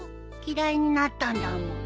嫌いになったんだもん。